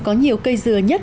có nhiều cây dừa nhất